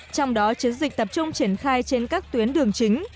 trong đó chiến dịch tập trung triển khai trên các tuyến đường chính